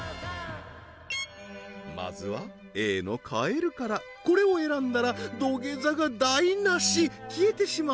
まずはＡのカエルからこれを選んだら土下座が台なし消えてしまう